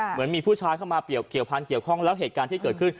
เหมือนมีผู้ชายเข้ามาเกี่ยวพันธ์เกี่ยวข้องแล้วเหตุการณ์ที่เกิดขึ้น